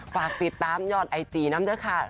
ฝากติดตามยอดไอจีนำด้วยค่ะ